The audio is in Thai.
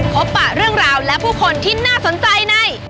ปะเรื่องราวและผู้คนที่น่าสนใจใน